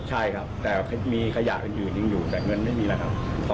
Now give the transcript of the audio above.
ใช่ครับแต่มีขยะอื่นยังอยู่แต่เงินไม่มีแล้วครับ